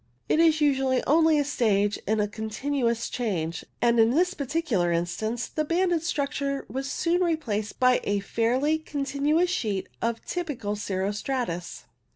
It is usually only a stage in a continuous change, and in this particular instance the banded structure was soon replaced by a fairly continuous sheet of typical cirro stratus.